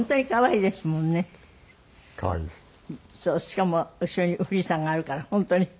しかも後ろに富士山があるから本当に。